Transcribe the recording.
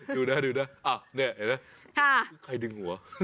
ดูนะใครดึงหัว